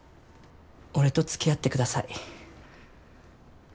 俺とつきあってください。